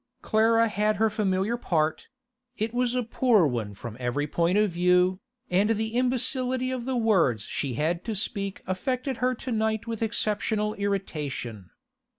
Clara had her familiar part; it was a poor one from every point of view, and the imbecility of the words she had to speak affected her to night with exceptional irritation.